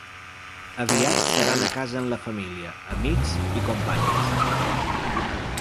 Aviat seran a casa amb la família, amics i companyes.